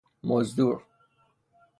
مزدور